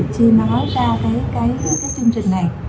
chỉ nói ra cái chương trình này